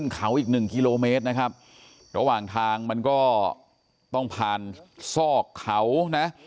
เขาอีกหนึ่งกิโลเมตรนะครับระหว่างทางมันก็ต้องผ่านซอกเขานะ